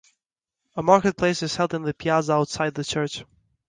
A market place is held in the piazza outside the church.